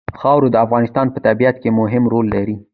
خاوره د افغانستان په طبیعت کې مهم رول لري.